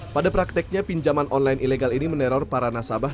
pada prakteknya pinjaman online ilegal ini meneror para nasabah